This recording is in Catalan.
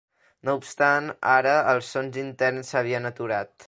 No obstant, ara, els sons interns s'havien aturat.